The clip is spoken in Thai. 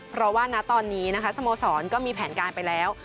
เพราะว่าณตอนนี้นะคะสโมสรก็มีแผนการไปแล้ว